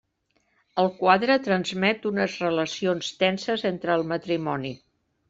El quadre transmet unes relacions tenses entre el matrimoni.